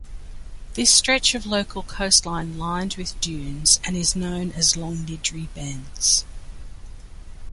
This stretch of local coastline lined with dunes and is known as Longniddry Bents.